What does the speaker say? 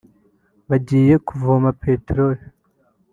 bagiye kuvoma peteroli